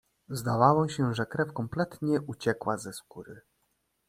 "Zdawało się, że krew kompletnie uciekła ze skóry."